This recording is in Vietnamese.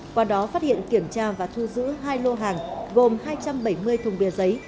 qua đó phát hiện kiểm tra và thu giữ hai lô hàng gồm hai trăm bảy mươi thùng bia giấy